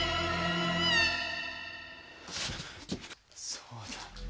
そうだ。